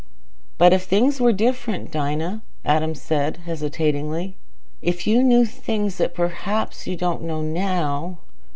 "But if things were different, Dinah," said Adam, hesitatingly. "If you knew things that perhaps you don't know now...."